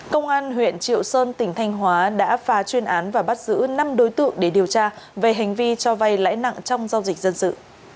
công an huyện triệu sơn tỉnh thanh hóa đã phá chuyên án và bắt giữ năm đối tượng để điều tra về hành vi cho vay lãi nặng trong giao dịch dân sự